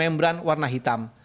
geomembran warna hitam